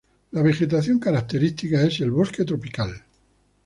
La vegetación característica es el bosque tropical.